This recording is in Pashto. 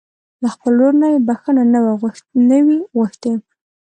له خپل ورور نه يې بښته نه وي غوښتې.